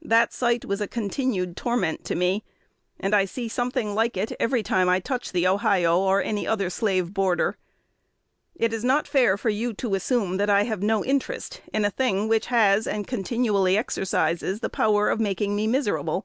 That sight was a continued torment to me; and I see something like it every time I touch the Ohio, or any other slave border. It is not fair for you to assume that I have no interest in a thing which has, and continually exercises, the power of making me miserable.